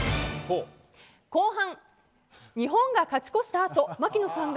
後半、日本が勝ち越した後槙野さんが。